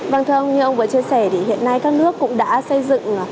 vâng thưa ông như ông vừa chia sẻ thì hiện nay các nước cũng đã xây dựng